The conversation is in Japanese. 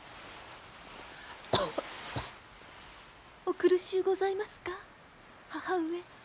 ・・お苦しゅうございますか母上。